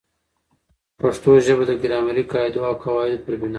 پښتو ژبه د ګرامري قاعدو او قوا عدو پر بناء